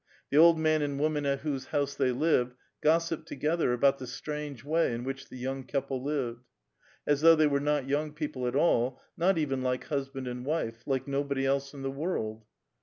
The old man and woman at whose house they lived, gossiped together about the strange way in which the young couple lived — as though they were not young people at all, not even like husband and wife ; like nobody else in the world.